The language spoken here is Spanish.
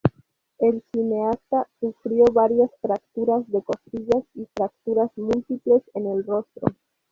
El cineasta sufrió varias fracturas de costillas, y fracturas múltiples en el rostro.